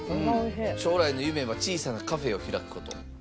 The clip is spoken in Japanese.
将来の夢は小さなカフェを開く事だそうです。